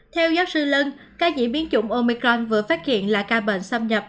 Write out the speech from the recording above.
theo giáo sư lân các diễn biến dụng omicron vừa phát hiện là ca bệnh xâm nhập